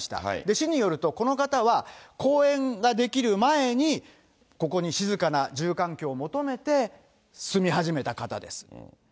市によると、この方は公園が出来る前にここに静かな住環境を求めて住み始めた方です。